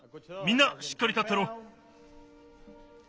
みんなしっかり立ってろ。